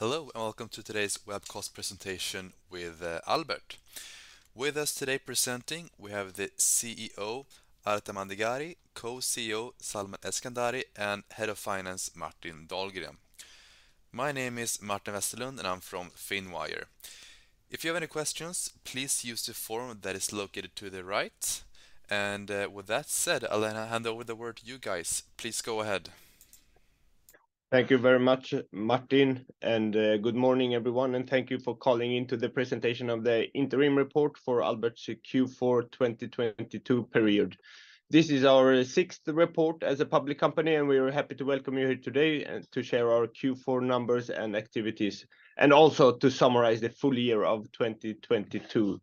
Hello and welcome to today's webcast presentation with Albert. With us today presenting, we have the CEO Arta Mandegari, Co-CEO Salman Eskandari, and Head of Finance Martin Dahlgren. My name is Martin Westerlund, and I'm from Finwire. If you have any questions, please use the form that is located to the right. With that said, I'll hand over the word to you guys. Please go ahead. Thank you very much, Martin. Good morning, everyone, and thank you for calling into the presentation of the interim report for Albert's Q4 2022 period. This is our sixth report as a public company, and we are happy to welcome you here today and to share our Q4 numbers and activities, and also to summarize the full year of 2022.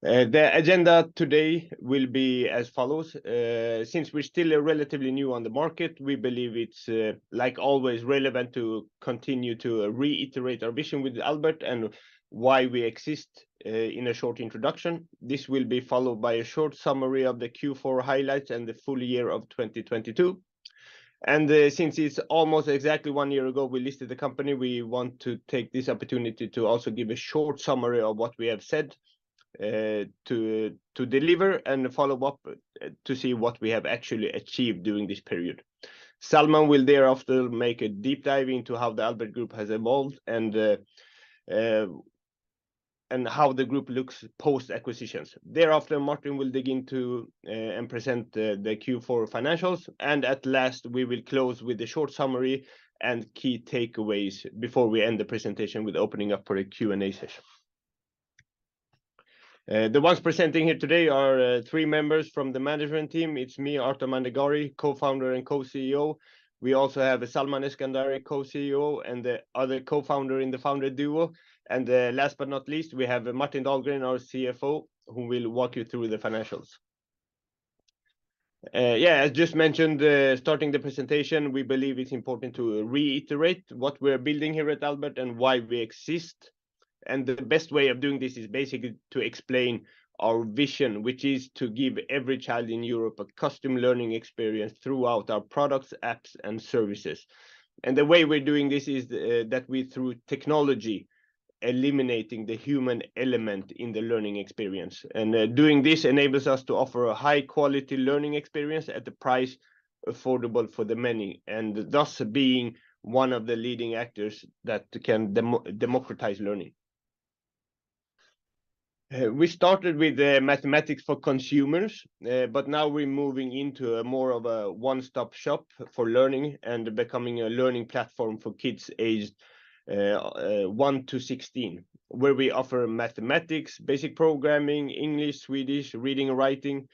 The agenda today will be as follows. Since we're still relatively new on the market, we believe it's like always relevant to continue to reiterate our vision with Albert and why we exist in a short introduction. This will be followed by a short summary of the Q4 highlights and the full year of 2022. Since it's almost exactly one year ago, we listed the company, we want to take this opportunity to also give a short summary of what we have said to deliver and follow up to see what we have actually achieved during this period. Salman Eskandari will thereafter make a deep dive into how the Albert Group has evolved and how the group looks post-acquisitions. Thereafter, Martin Dahlgren will dig into and present the Q4 financials, and at last, we will close with a short summary and key takeaways before we end the presentation with opening up for a Q&A session. The ones presenting here today are 3 members from the management team. It's me, Arta Mandegari, Co-founder and Co-CEO. We also have Salman Eskandari, Co-CEO, and the other co-founder in the founder duo. Last but not least, we have Martin Dahlgren, our CFO, who will walk you through the financials. Yeah, as just mentioned, starting the presentation, we believe it's important to reiterate what we're building here at Albert and why we exist. The best way of doing this is basically to explain our vision, which is to give every child in Europe a custom learning experience throughout our products, apps, and services. The way we're doing this is that we through technology, eliminating the human element in the learning experience. Doing this enables us to offer a high-quality learning experience at the price affordable for the many, and thus being one of the leading actors that can democratize learning. We started with mathematics for consumers, but now we're moving into more of a one-stop shop for learning and becoming a learning platform for kids aged one to 16, where we offer mathematics, basic programming, English, Swedish, reading and writing,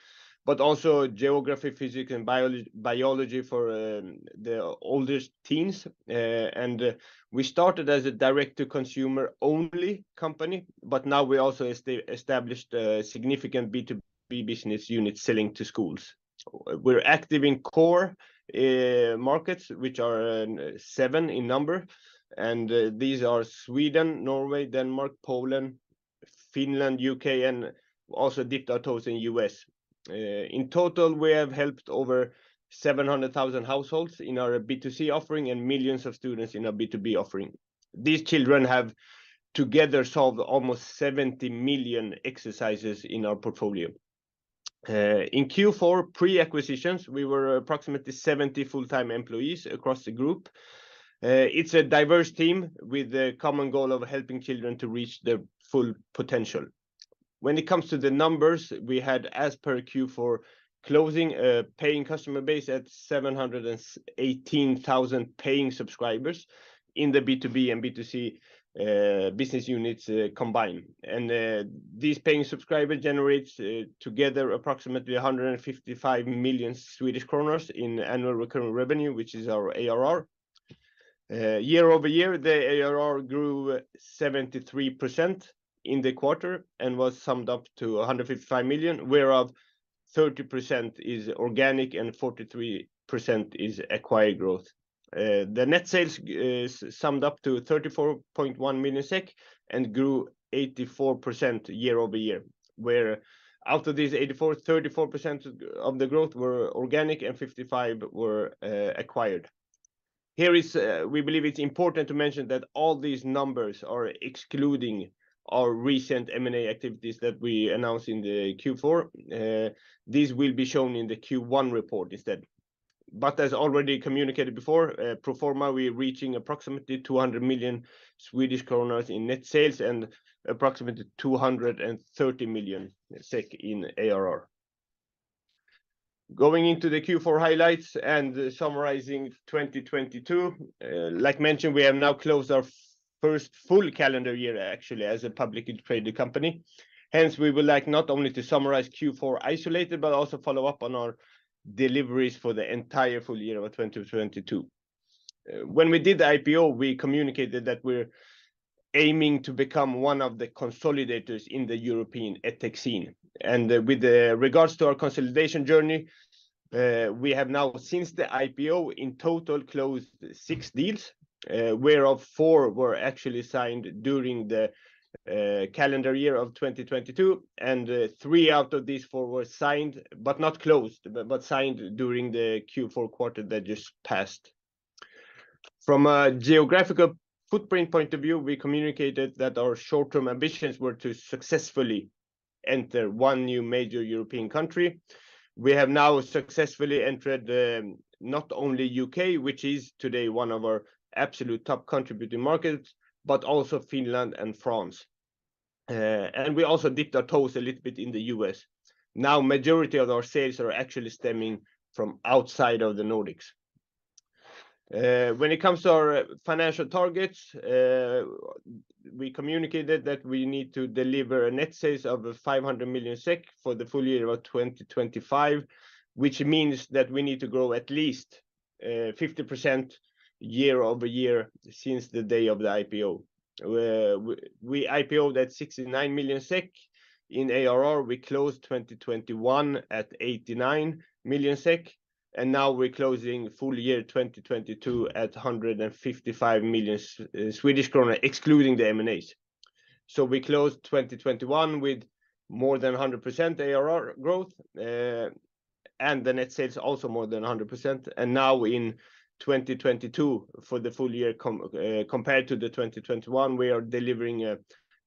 but also geography, physics, and biology for the oldest teens. We started as a direct-to-consumer-only company, but now we also established a significant B2B business unit selling to schools. We're active in core markets, which are 7 in number, these are Sweden, Norway, Denmark, Poland, Finland, U.K., and also dipped our toes in US. In total, we have helped over 700,000 households in our B2C offering and millions of students in our B2B offering. These children have together solved almost 70 million exercises in our portfolio. In Q4 pre-acquisitions, we were approximately 70 full-time employees across the group. It's a diverse team with the common goal of helping children to reach their full potential. When it comes to the numbers, we had, as per Q4 closing, a paying customer base at 718,000 paying subscribers in the B2B and B2C business units combined. These paying subscribers generates together approximately 155 million Swedish kronor in annual recurring revenue, which is our ARR. Year-over-year, the ARR grew 73% in the quarter and was summed up to 155 million, whereof 30% is organic and 43% is acquired growth. The net sales is summed up to 34.1 million SEK and grew 84% year-over-year. Where out of these 84, 34% of the growth were organic and 55 were acquired. Here is, we believe it's important to mention that all these numbers are excluding our recent M&A activities that we announced in the Q4. This will be shown in the Q1 report instead. As already communicated before, pro forma, we're reaching approximately 200 million Swedish kronor in net sales and approximately 230 million SEK in ARR. Going into the Q4 highlights and summarizing 2022, like mentioned, we have now closed our first full calendar year actually as a publicly traded company. Hence, we would like not only to summarize Q4 isolated, but also follow up on our deliveries for the entire full year of 2022. When we did the IPO, we communicated that we're aiming to become one of the consolidators in the European EdTech scene. With regards to our consolidation journey, we have now since the IPO in total closed six deals, whereof four were actually signed during the calendar year of 2022, and three out of these four were signed but not closed, but signed during the Q4 quarter that just passed. From a geographical footprint point of view, we communicated that our short-term ambitions were to successfully enter one new major European country. We have now successfully entered, not only U.K., which is today one of our absolute top contributing markets, but also Finland and France. We also dipped our toes a little bit in the US. Now majority of our sales are actually stemming from outside of the Nordics. When it comes to our financial targets, we communicated that we need to deliver a net sales of 500 million SEK for the full year of 2025, which means that we need to grow at least 50% year-over-year since the day of the IPO. We IPO-ed at 69 million SEK. In ARR, we closed 2021 at 89 million SEK, and now we're closing full year 2022 at 155 million Swedish krona, excluding the M&As. We closed 2021 with more than 100% ARR growth. The net sales also more than 100%. Now in 2022 for the full year compared to the 2021, we are delivering a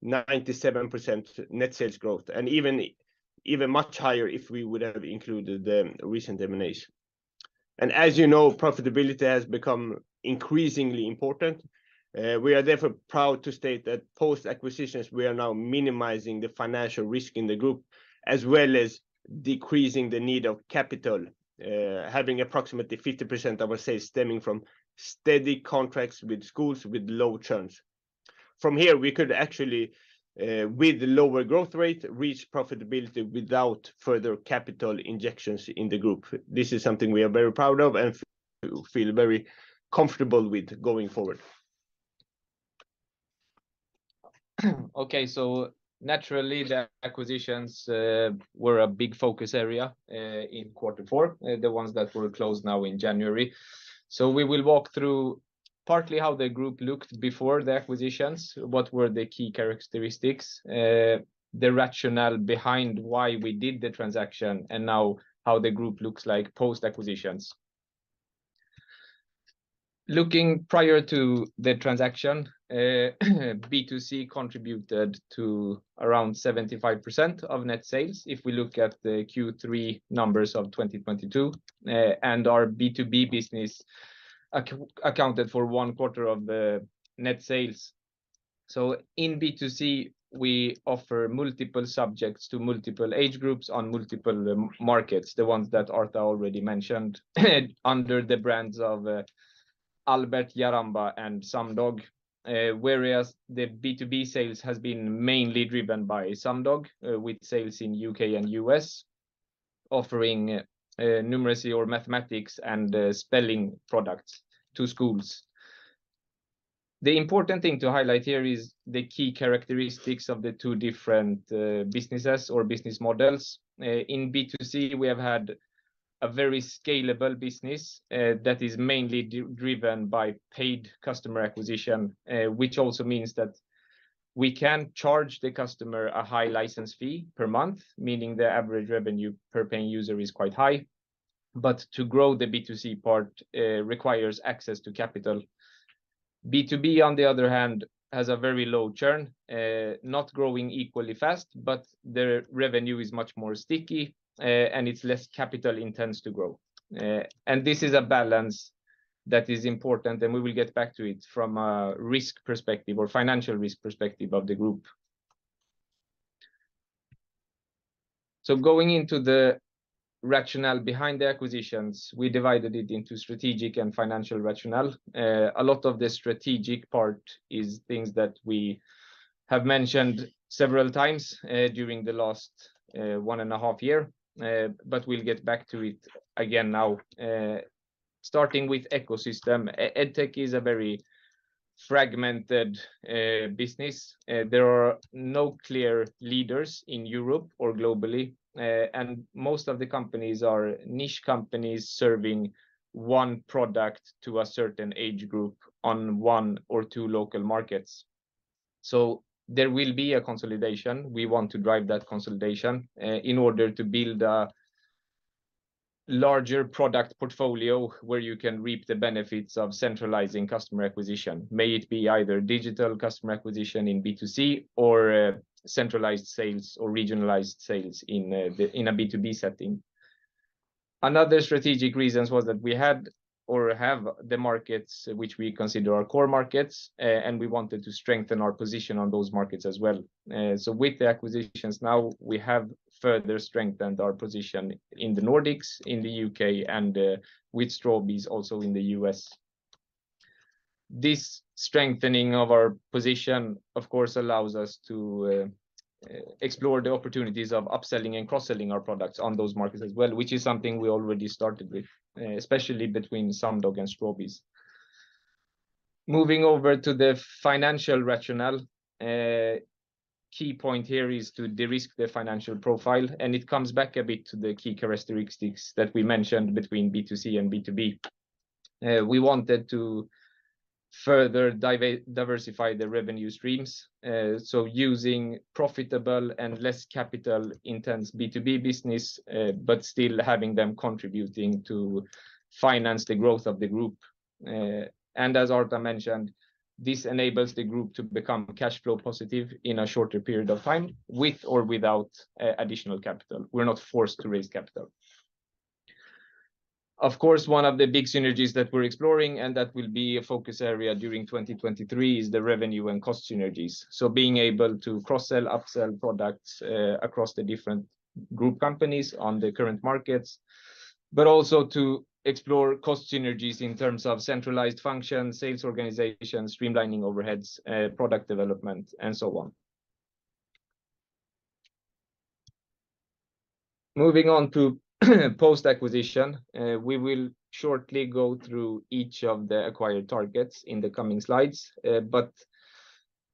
97% net sales growth, even much higher if we would have included the recent M&A. As you know, profitability has become increasingly important. We are therefore proud to state that post-acquisitions, we are now minimizing the financial risk in the group as well as decreasing the need of capital, having approximately 50% of our sales stemming from steady contracts with schools with low churns. From here, we could actually, with lower growth rate, reach profitability without further capital injections in the group. This is something we are very proud of and feel very comfortable with going forward. Naturally the acquisitions were a big focus area in quarter four, the ones that were closed now in January. We will walk through partly how the Group looked before the acquisitions, what were the key characteristics, the rationale behind why we did the transaction, and now how the Group looks like post-acquisitions. Looking prior to the transaction, B2C contributed to around 75% of net sales if we look at the Q3 numbers of 2022. Our B2B business accounted for one quarter of the net sales. In B2C, we offer multiple subjects to multiple age groups on multiple markets, the ones that Arta already mentioned, under the brands of Albert, Jaramba, and Sumdog. Whereas the B2B sales has been mainly driven by Sumdog, with sales in U.K. and U.S. offering numeracy or mathematics and spelling products to schools. The important thing to highlight here is the key characteristics of the two different businesses or business models. In B2C, we have had a very scalable business that is mainly driven by paid customer acquisition, which also means that we can charge the customer a high license fee per month, meaning the average revenue per paying user is quite high. To grow the B2C part requires access to capital. B2B, on the other hand, has a very low churn, not growing equally fast, but the revenue is much more sticky, and it's less capital intense to grow. This is a balance that is important, and we will get back to it from a risk perspective or financial risk perspective of the group. Going into the rationale behind the acquisitions, we divided it into strategic and financial rationale. A lot of the strategic part is things that we have mentioned several times, during the last, 1.5 years. We'll get back to it again now. Starting with ecosystem. EdTech is a very fragmented business. There are no clear leaders in Europe or globally. Most of the companies are niche companies serving one product to a certain age group on one or two local markets. There will be a consolidation. We want to drive that consolidation in order to build a larger product portfolio where you can reap the benefits of centralizing customer acquisition, may it be either digital customer acquisition in B2C or centralized sales or regionalized sales in the, in a B2B setting. Another strategic reasons was that we had or have the markets which we consider our core markets, and we wanted to strengthen our position on those markets as well. With the acquisitions now, we have further strengthened our position in the Nordics, in the U.K., and with Strawbees also in the U.S. This strengthening of our position, of course, allows us to explore the opportunities of upselling and cross-selling our products on those markets as well, which is something we already started with, especially between Sumdog and Strawbees. Moving over to the financial rationale. Key point here is to de-risk the financial profile, it comes back a bit to the key characteristics that we mentioned between B2C and B2B. We wanted to further diversify the revenue streams. Using profitable and less capital intense B2B business, but still having them contributing to finance the growth of the group. As Arta mentioned, this enables the group to become cash flow positive in a shorter period of time, with or without additional capital. We're not forced to raise capital. Of course, one of the big synergies that we're exploring, and that will be a focus area during 2023, is the revenue and cost synergies. Being able to cross-sell, up-sell products across the different group companies on the current markets, but also to explore cost synergies in terms of centralized function, sales organization, streamlining overheads, product development, and so on. Moving on to post-acquisition, we will shortly go through each of the acquired targets in the coming slides. But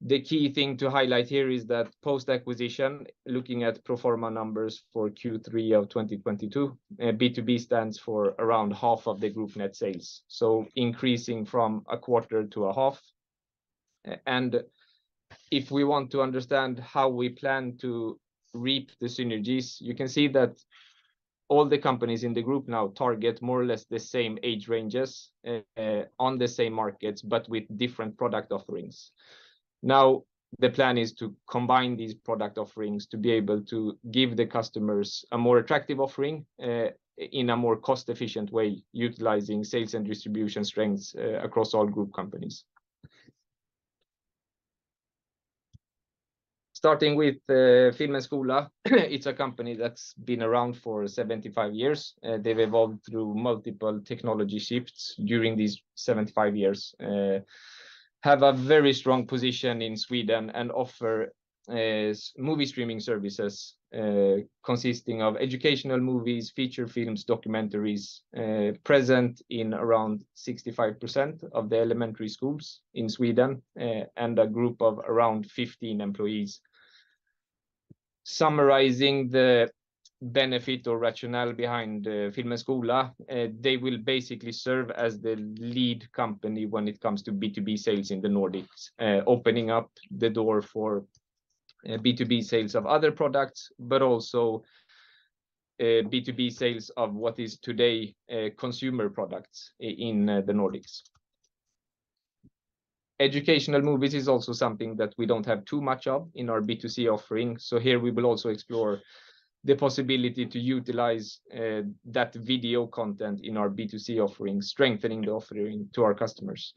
the key thing to highlight here is that post-acquisition, looking at pro forma numbers for Q3 of 2022, B2B stands for around 1/2 of the group net sales, so increasing from 1/4 to 1/2. And if we want to understand how we plan to reap the synergies, you can see that all the companies in the group now target more or less the same age ranges on the same markets, but with different product offerings. The plan is to combine these product offerings to be able to give the customers a more attractive offering, in a more cost-efficient way, utilizing sales and distribution strengths across all group companies. Starting with Film & Skola, it's a company that's been around for 75 years. They've evolved through multiple technology shifts during these 75 years. Have a very strong position in Sweden and offer movie streaming services, consisting of educational movies, feature films, documentaries. Present in around 65% of the elementary schools in Sweden, and a group of around 15 employees. Summarizing the benefit or rationale behind Film & Skola, they will basically serve as the lead company when it comes to B2B sales in the Nordics, opening up the door for B2B sales of other products, but also B2B sales of what is today consumer products in the Nordics. Educational movies is also something that we don't have too much of in our B2C offering. Here, we will also explore the possibility to utilize that video content in our B2C offering, strengthening the offering to our customers.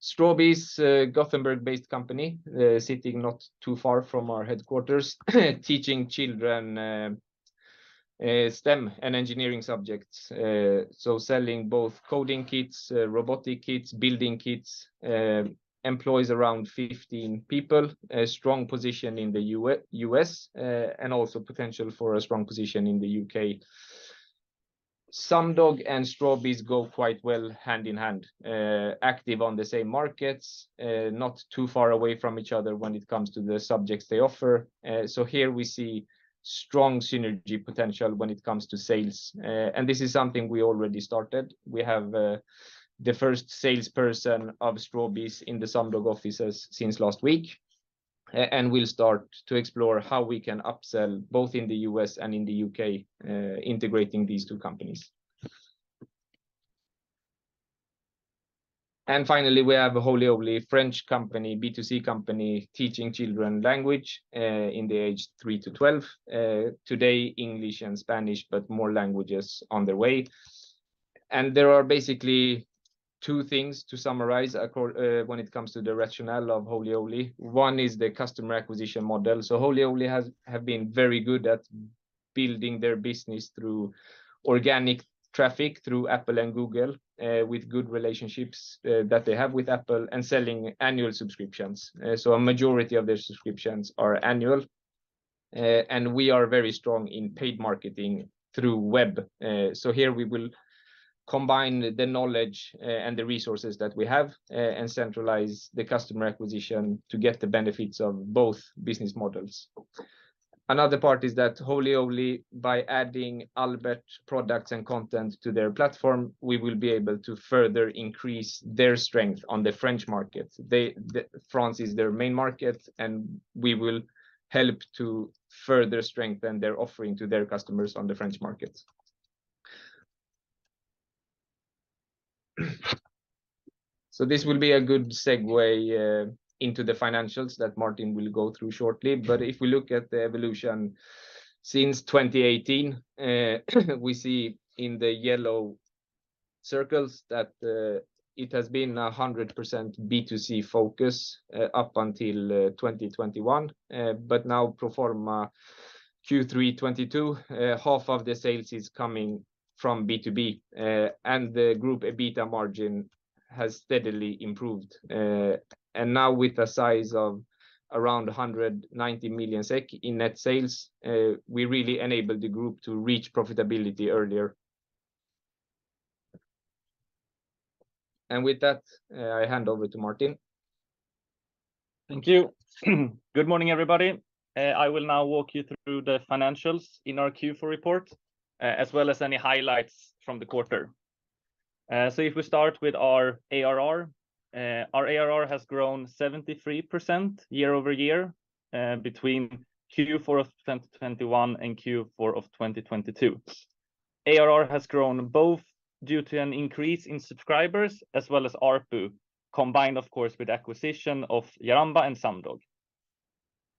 Strawbees, Gothenburg-based company, sitting not too far from our headquarters, teaching children STEM and engineering subjects. Selling both coding kits, robotic kits, building kits. Employs around 15 people. A strong position in the U.S. and also potential for a strong position in the U.K. Sumdog and Strawbees go quite well hand-in-hand. Active on the same markets. Not too far away from each other when it comes to the subjects they offer. Here we see strong synergy potential when it comes to sales. This is something we already started. We have the first salesperson of Strawbees in the Sumdog offices since last week. We'll start to explore how we can upsell both in the U.S. and in the U.K., integrating these two companies. Finally, we have Holy Owly, French company, B2C company, teaching children language, in the age three to 12. Today, English and Spanish, but more languages on the way. There are basically two things to summarize when it comes to the rationale of Holy Owly. One is the customer acquisition model. Holy Owly have been very good at building their business through organic traffic, through Apple and Google, with good relationships that they have with Apple, and selling annual subscriptions. A majority of their subscriptions are annual. We are very strong in paid marketing through web. Here we will combine the knowledge and the resources that we have, and centralize the customer acquisition to get the benefits of both business models. Another part is that Holy Owly, by adding Albert products and content to their platform, we will be able to further increase their strength on the French market. France is their main market, and we will help to further strengthen their offering to their customers on the French market. This will be a good segue into the financials that Martin will go through shortly. If we look at the evolution since 2018, we see in the yellow circles that it has been a 100% B2C focus up until 2021. Now pro forma Q3 2022, half of the sales is coming from B2B, and the group EBITDA margin has steadily improved. Now with a size of around 190 million SEK in net sales, we really enable the group to reach profitability earlier. With that, I hand over to Martin. Thank you. Good morning, everybody. I will now walk you through the financials in our Q4 report, as well as any highlights from the quarter. If we start with our ARR, our ARR has grown 73% year-over-year between Q4 of 2021 and Q4 of 2022. ARR has grown both due to an increase in subscribers as well as ARPU, combined of course, with acquisition of Jaramba and Sumdog.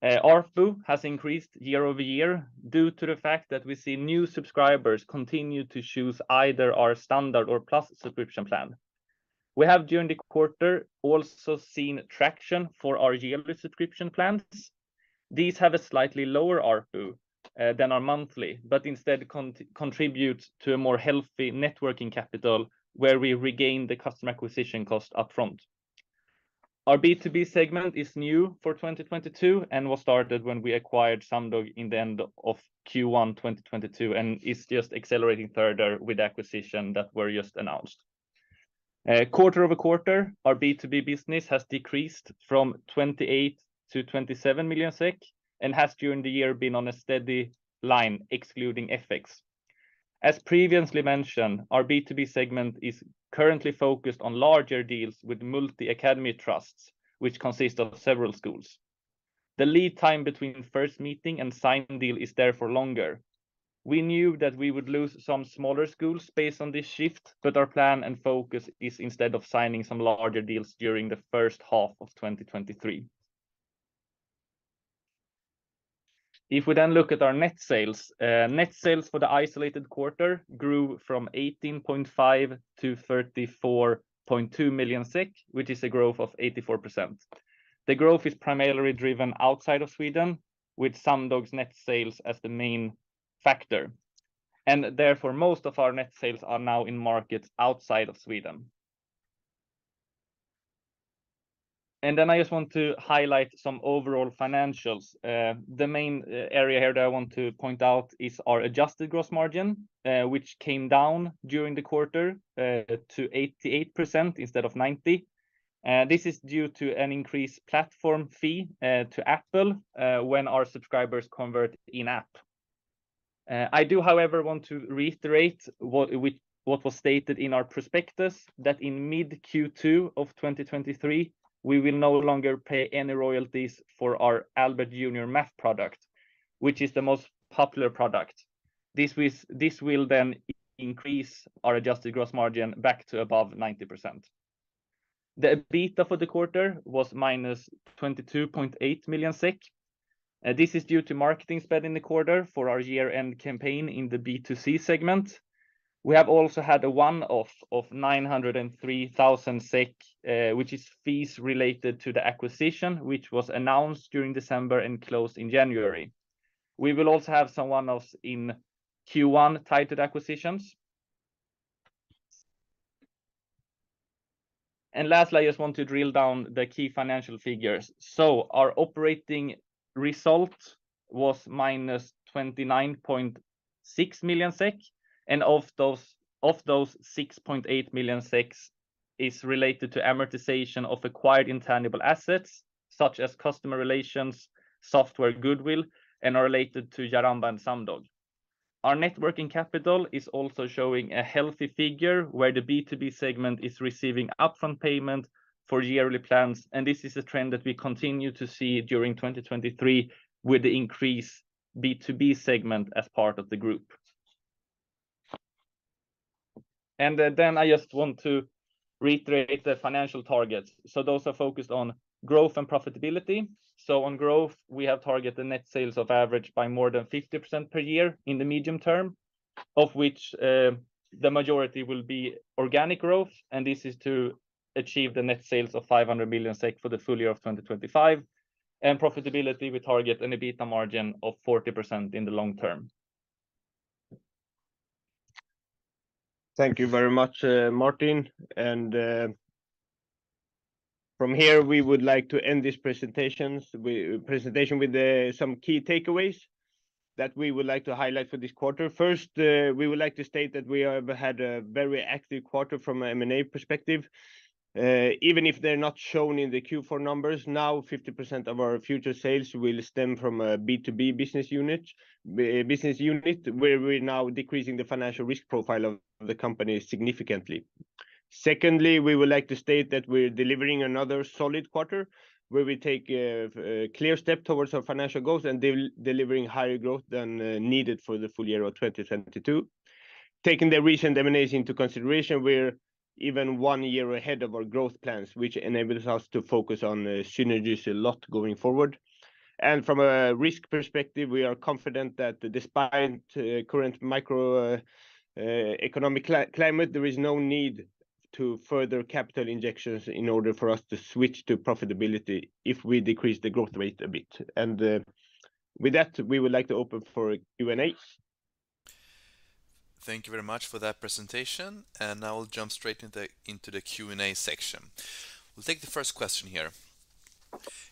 ARPU has increased year-over-year due to the fact that we see new subscribers continue to choose either our standard or plus subscription plan. We have, during the quarter, also seen traction for our yearly subscription plans. These have a slightly lower ARPU than our monthly, but instead contribute to a more healthy net working capital where we regain the customer acquisition cost up front. Our B2B segment is new for 2022, and was started when we acquired Sumdog in the end of Q1 2022, and it's just accelerating further with acquisition that were just announced. quarter-over-quarter, our B2B business has decreased from 28 million - 27 million SEK, and has during the year been on a steady line excluding FX. As previously mentioned, our B2B segment is currently focused on larger deals with multi-academy trusts, which consist of several schools. The lead time between first meeting and signed deal is therefore longer. We knew that we would lose some smaller schools based on this shift, but our plan and focus is instead of signing some larger deals during the first half of 2023. If we then look at our net sales, net sales for the isolated quarter grew from 18.5 million - 34.2 million, which is a growth of 84%. The growth is primarily driven outside of Sweden with Sumdog's net sales as the main factor, and therefore, most of our net sales are now in markets outside of Sweden. I just want to highlight some overall financials. The main area here that I want to point out is our adjusted gross margin, which came down during the quarter, to 88% instead of 90%. This is due to an increased platform fee to Apple when our subscribers convert in-app. I do however want to reiterate what was stated in our prospectus that in mid Q2 of 2023, we will no longer pay any royalties for our Albert Junior Math product, which is the most popular product. This will then increase our adjusted gross margin back to above 90%. The EBITDA for the quarter was -22.8 million SEK. This is due to marketing spend in the quarter for our year-end campaign in the B2C segment. We have also had a one-off of 903,000 SEK, which is fees related to the acquisition which was announced during December and closed in January. We will also have some one-offs in Q1 tied to the acquisitions. Lastly, I just want to drill down the key financial figures. Our operating result was -29.6 million SEK, and of those 6.8 million is related to amortization of acquired intangible assets such as customer relations, software goodwill, and are related to Jaramba and Sumdog. Our net working capital is also showing a healthy figure where the B2B segment is receiving upfront payment for yearly plans. This is a trend that we continue to see during 2023 with the increased B2B segment as part of the group. Then I just want to reiterate the financial targets. Those are focused on growth and profitability. On growth, we have targeted net sales of average by more than 50% per year in the medium term, of which the majority will be organic growth. This is to achieve the net sales of 500 million SEK for the full year of 2025. Profitability, we target an EBITDA margin of 40% in the long term. Thank you very much, Martin. From here, we would like to end this presentations. presentation with some key takeaways that we would like to highlight for this quarter. First, we would like to state that we have had a very active quarter from an M&A perspective. Even if they're not shown in the Q4 numbers, now 50% of our future sales will stem from a B2B business unit, business unit, where we're now decreasing the financial risk profile of the company significantly. Secondly, we would like to state that we're delivering another solid quarter, where we take a clear step towards our financial goals and delivering higher growth than needed for the full year of 2022. Taking the recent M&A into consideration, we're even one year ahead of our growth plans, which enables us to focus on synergies a lot going forward. From a risk perspective, we are confident that despite current microeconomic climate, there is no need to further capital injections in order for us to switch to profitability if we decrease the growth rate a bit. With that, we would like to open for a Q&A. Thank you very much for that presentation. Now we'll jump straight into the Q&A section. We'll take the first question here.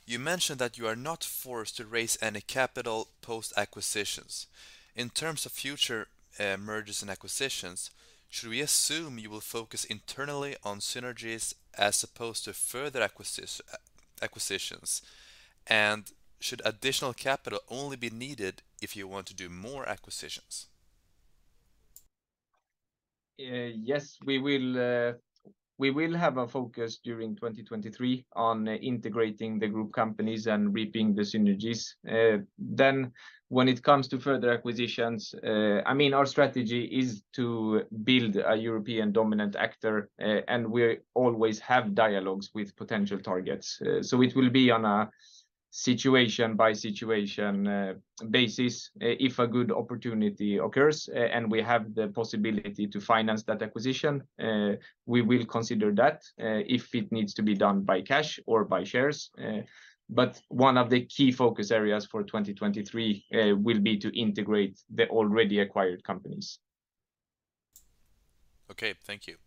You mentioned that you are not forced to raise any capital post-acquisitions. In terms of future mergers and acquisitions, should we assume you will focus internally on synergies as opposed to further acquisitions? Should additional capital only be needed if you want to do more acquisitions? Yes, we will have a focus during 2023 on integrating the group companies and reaping the synergies. When it comes to further acquisitions, I mean, our strategy is to build a European dominant actor, and we always have dialogues with potential targets. It will be on a situation by situation basis, if a good opportunity occurs, and we have the possibility to finance that acquisition, we will consider that, if it needs to be done by cash or by shares. One of the key focus areas for 2023 will be to integrate the already acquired companies. Okay, thank you.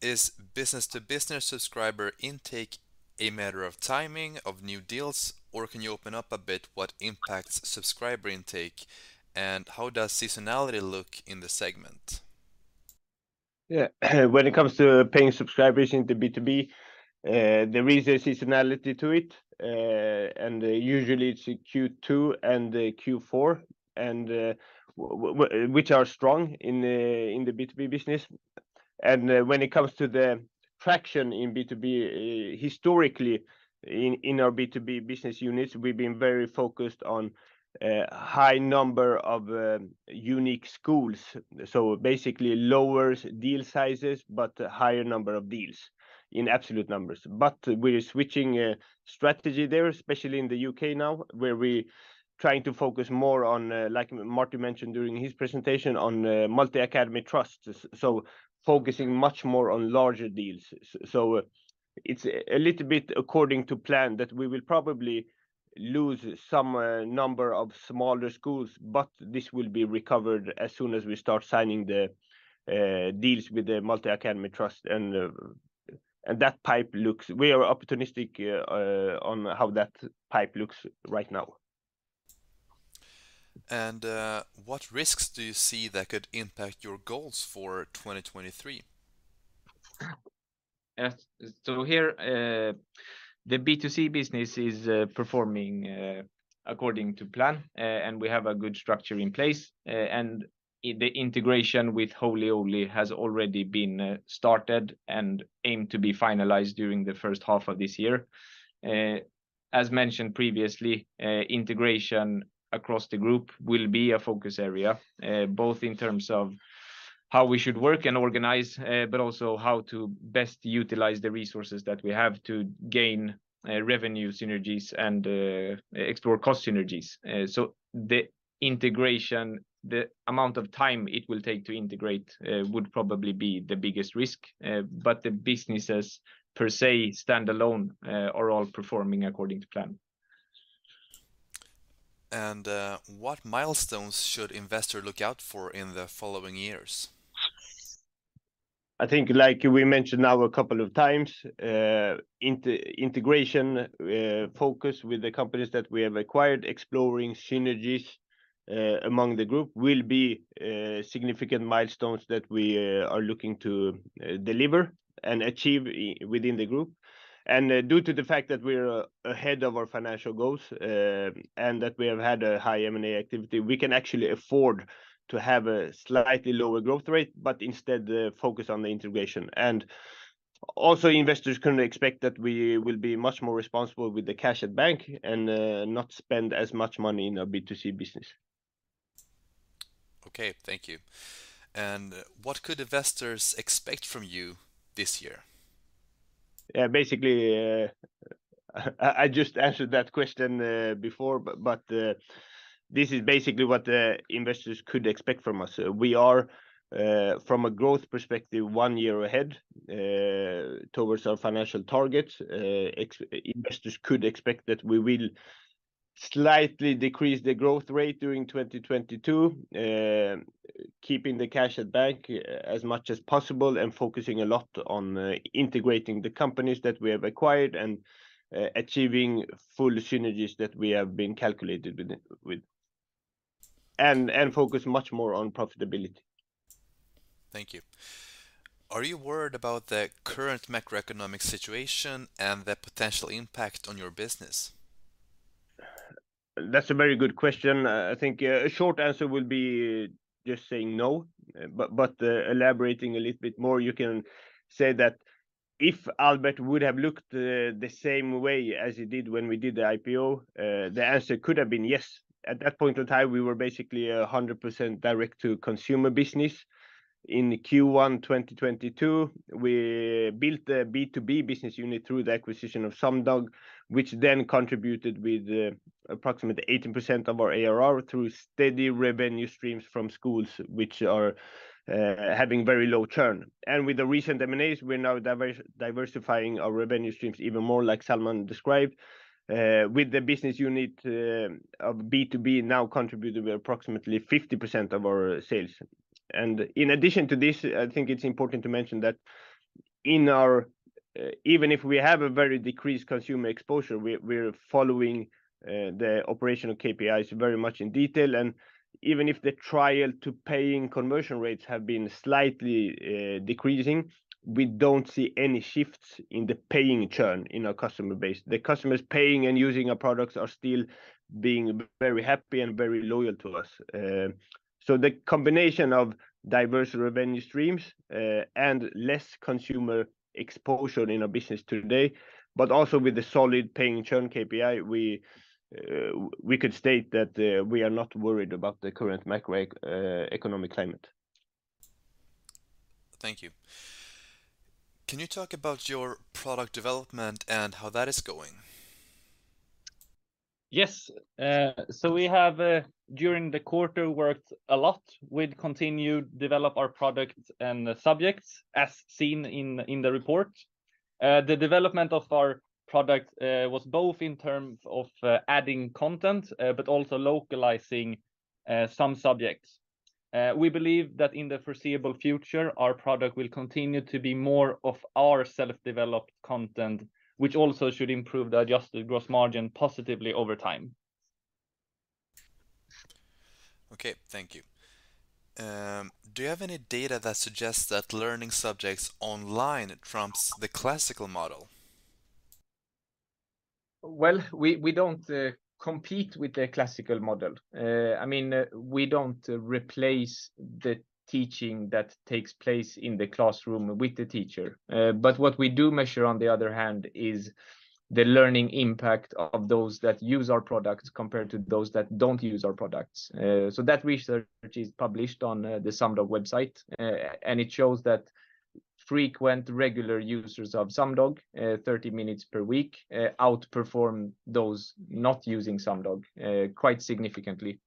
Is business to business subscriber intake a matter of timing of new deals, or can you open up a bit what impacts subscriber intake, and how does seasonality look in the segment? Yeah. When it comes to paying subscribers into B2B, there is a seasonality to it. Usually it's Q2 and Q4, which are strong in the B2B business. When it comes to the traction in B2B, historically in our B2B business units, we've been very focused on high number of unique schools. Basically lower deal sizes, but higher number of deals in absolute numbers. We're switching strategy there, especially in the U.K. now, where we trying to focus more on like Martin mentioned during his presentation, on multi-academy trusts. Focusing much more on larger deals. It's a little bit according to plan that we will probably lose some number of smaller schools, but this will be recovered as soon as we start signing the deals with the multi-academy trust. We are opportunistic, on how that pipe looks right now. What risks do you see that could impact your goals for 2023? Here, the B2C business is performing according to plan, and we have a good structure in place. The integration with Holy Owly has already been started and aimed to be finalized during the first half of this year. As mentioned previously, integration across the group will be a focus area, both in terms of how we should work and organize, but also how to best utilize the resources that we have to gain revenue synergies and explore cost synergies. The amount of time it will take to integrate would probably be the biggest risk. The businesses per se stand alone, are all performing according to plan. What milestones should investor look out for in the following years? I think like we mentioned now a couple of times, integration focus with the companies that we have acquired, exploring synergies among the group will be significant milestones that we are looking to deliver and achieve within the group. Due to the fact that we're ahead of our financial goals, and that we have had a high M&A activity, we can actually afford to have a slightly lower growth rate, but instead focus on the integration. Also investors can expect that we will be much more responsible with the cash at bank and not spend as much money in our B2C business. Okay. Thank you. What could investors expect from you this year? Yeah. Basically, I just answered that question before, this is basically what the investors could expect from us. We are, from a growth perspective, one year ahead towards our financial targets. Investors could expect that we will slightly decrease the growth rate during 2022, keeping the cash at bank as much as possible and focusing a lot on integrating the companies that we have acquired and achieving full synergies that we have been calculated with. Focus much more on profitability. Thank you. Are you worried about the current macroeconomic situation and the potential impact on your business? That's a very good question. I think a short answer would be just saying no. Elaborating a little bit more, you can say that if Albert would have looked the same way as it did when we did the IPO, the answer could have been yes. At that point in time, we were basically 100% direct to consumer business. In Q1 2022, we built the B2B business unit through the acquisition of Sumdog, which then contributed with approximately 18% of our ARR through steady revenue streams from schools which are having very low churn. With the recent M&As, we're now diversifying our revenue streams even more, like Salman described, with the business unit of B2B now contributing approximately 50% of our sales. In addition to this, I think it's important to mention that in our, even if we have a very decreased consumer exposure, we're following the operational KPIs very much in detail. Even if the trial-to-paying conversion rates have been slightly decreasing, we don't see any shifts in the paying churn in our customer base. The customers paying and using our products are still being very happy and very loyal to us. The combination of diverse revenue streams and less consumer exposure in our business today, but also with the solid paying churn KPI, we could state that we are not worried about the current macroeconomic climate. Thank you. Can you talk about your product development and how that is going? We have during the quarter worked a lot with continued develop our product and the subjects as seen in the report. The development of our product was both in terms of adding content, but also localizing some subjects. We believe that in the foreseeable future, our product will continue to be more of our self-developed content, which also should improve the adjusted gross margin positively over time. Okay, thank you. Do you have any data that suggests that learning subjects online trumps the classical model? We don't compete with the classical model. I mean, we don't replace the teaching that takes place in the classroom with the teacher. What we do measure on the other hand is the learning impact of those that use our products compared to those that don't use our products. That research is published on the Sumdog website. It shows that frequent regular users of Sumdog, 30 minutes per week, outperform those not using Sumdog quite significantly.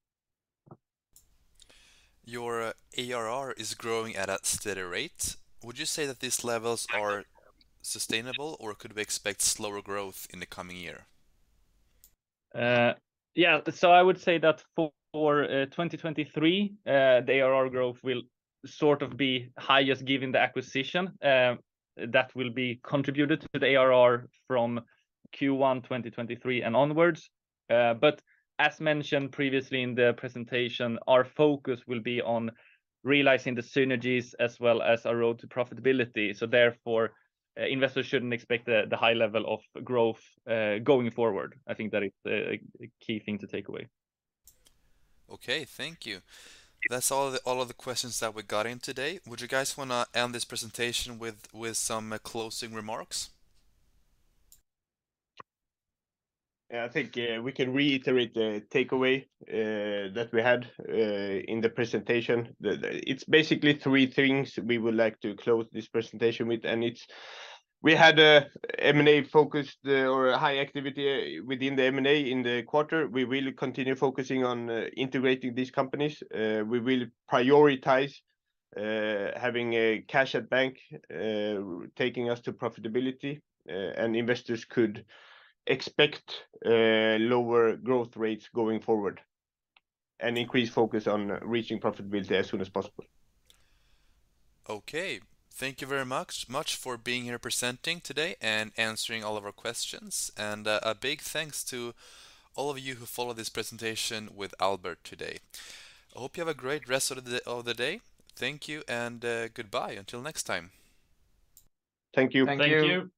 Your ARR is growing at a steady rate. Would you say that these levels are sustainable, or could we expect slower growth in the coming year? Yeah. I would say that for 2023, the ARR growth will sort of be highest given the acquisition that will be contributed to the ARR from Q1 2023 and onwards. As mentioned previously in the presentation, our focus will be on realizing the synergies as well as our road to profitability. Therefore, investors shouldn't expect the high level of growth going forward. I think that is the key thing to take away. Okay, thank you. That's all of the questions that we got in today. Would you guys wanna end this presentation with some closing remarks? Yeah, I think we can reiterate the takeaway that we had in the presentation. It's basically three things we would like to close this presentation with, and it's we had a M&A-focused or high activity within the M&A in the quarter. We will continue focusing on integrating these companies. We will prioritize having a cash at bank taking us to profitability. Investors could expect lower growth rates going forward and increased focus on reaching profitability as soon as possible. Okay. Thank you very much for being here presenting today and answering all of our questions. A big thanks to all of you who followed this presentation with Albert today. I hope you have a great rest of the day. Thank you, and, goodbye until next time. Thank you. Thank you.